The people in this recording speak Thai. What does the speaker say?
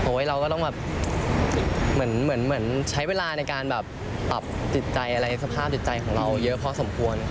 โอ๊ยเราก็ต้องเหมือนใช้เวลาในการตับสภาพจิตใจของเราเยอะพอสมควร